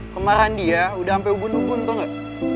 kemarin dia udah sampe ubun ubun tau gak